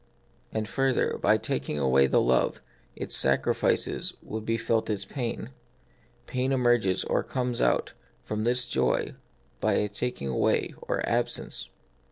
And further, by taking away the love, its sacrifices would l>e felt as pain : pain emerges, or comes out, from this joy by a taking away, or absence.